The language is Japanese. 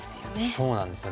そうなんですよ。